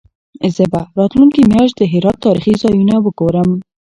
زه به راتلونکې میاشت د هرات تاریخي ځایونه وګورم.